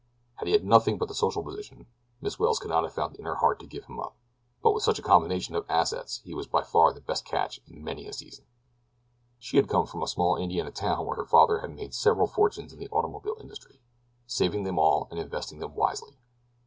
Had he had nothing but the social position, Miss Welles could not have found it in her heart to give him up, but with such a combination of assets he was by far the best catch in many a season. She had come from a small Indiana town where her father had made several fortunes in the automobile industry—saving them all and investing them wisely.